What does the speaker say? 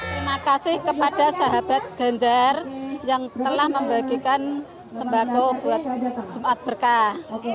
terima kasih kepada sahabat ganjar yang telah membagikan sembako buat jumat berkah